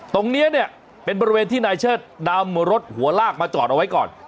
ตรงนี้เนี่ยเป็นบริเวณที่นายเชิดนำรถหัวลากมาจอดเอาไว้ก่อน